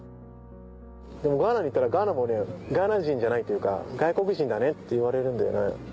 でもガーナに行ったらガーナもねガーナ人じゃないというか外国人だねって言われるんだよね。